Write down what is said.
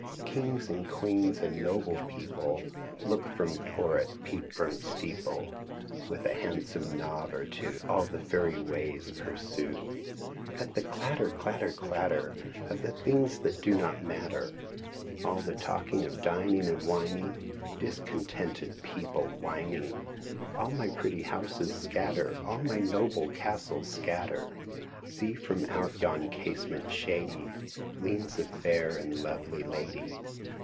Kings and queens and noble people Look from turret, peep from steeple. With a handsome knave or two All the fairy ways pursue. But the clatter, clatter, clatter, Of the things that do not matter, 196] THE SAD YEARS THE HOUSE OF CARDS (Continued) All the talk of dining, wining. Discontented people whining, All mj pretty houses scatter, All my noUe castles scatter. :See from out yon casement shady. Leans a fair and lovely lady.